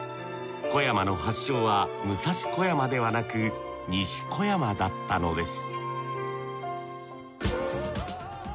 「小山」の発祥は武蔵小山ではなく西小山だったのです